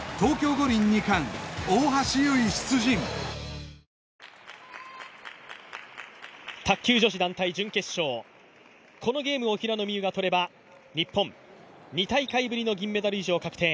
新しい「本麒麟」卓球女子団体準決勝、このゲームを平野美宇が取れば日本、２大会ぶりの銀メダル以上が確定。